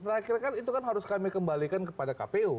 terakhir kan itu kan harus kami kembalikan kepada kpu